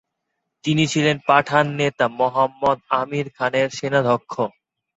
তিনি ছিলেন পাঠান নেতা মোহাম্মদ আমির খানের সেনাধ্যক্ষ।